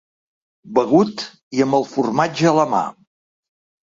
Begut i amb el formatge a la mà.